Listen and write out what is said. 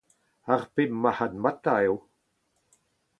Ar pep marc’hadmatañ eo.